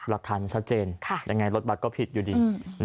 รักฐานั้นซะเจนแต่รถบัตรก็ผิดอยู่ดี